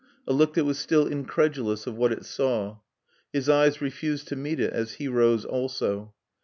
A look that was still incredulous of what it saw. His eyes refused to meet it as he rose also.